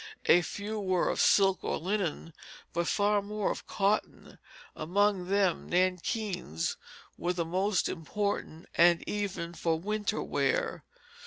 A few were of silk or linen, but far more of cotton; among them nankeens were the most imported and even for winter wear.